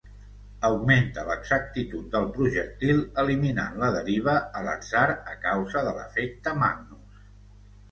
Augmenta l'exactitud del projectil eliminant la deriva a l'atzar a causa de l'efecte Magnus.